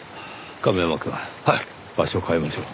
亀山くん場所を変えましょう。